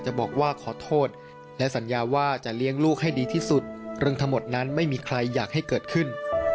บอกว่าขอโทษและสัญญาว่าจะเลี้ยงลูกให้ดีที่สุดเรื่องทั้งหมดนั้นไม่มีใครอยากให้เกิดขึ้น